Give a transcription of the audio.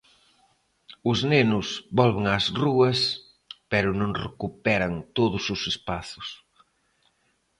Os nenos volven ás rúas, pero non recuperan todos os espazos.